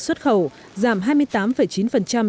xuất khẩu giảm hai mươi tám chín